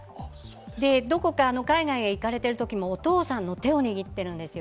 どこか海外へ行かれているときもお父さんの手を握っているんです。